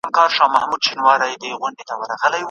چي د ځان او بیا د بام په ننداره سو